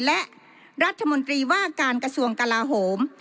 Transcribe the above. และรัฐมนตรีว่าการกระทรวงกลาโหม